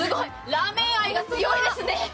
ラーメン愛が強いですね。